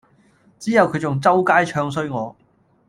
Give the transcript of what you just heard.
之後佢仲周街唱衰我